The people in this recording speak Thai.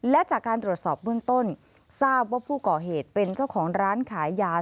และจากการตรวจสอบเบื้องต้นทราบว่าผู้ก่อเหตุเป็นเจ้าของร้านขายยา